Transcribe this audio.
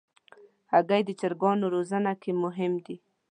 هګۍ د چرګانو روزنه کې مهم ده.